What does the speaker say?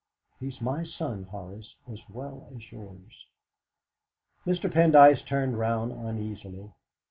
"He is my son, Horace, as well as yours." Mr. Pendyce turned round uneasily.